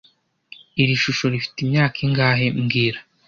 Iri shusho rifite imyaka ingahe mbwira